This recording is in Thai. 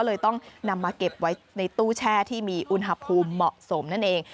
เลยต้องนำมาเก็บไว้ในตู้แช่ที่มีอุณหภูมิเหมาะสมนั่นเอง